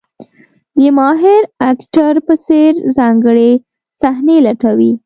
د ماهر اکټر په څېر ځانګړې صحنې لټوي.